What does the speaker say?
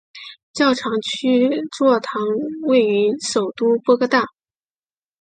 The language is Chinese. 教长区座堂位于首都波哥大。